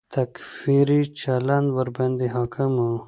تکفیري چلند ورباندې حاکم و.